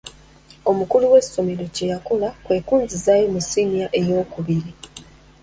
Omukulu w'essomero kye yakola kwe kunzizaayo mu siniya eyookubiri.